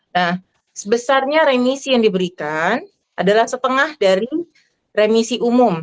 nah sebesarnya remisi yang diberikan adalah setengah dari remisi umum